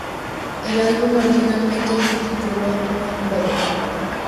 El álbum originalmente se tituló "No Love".